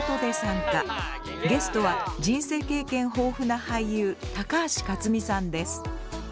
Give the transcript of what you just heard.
ゲストは人生経験豊富な俳優高橋克実さんです。